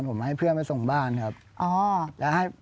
ผมให้เพื่อนไปส่งบ้านครับ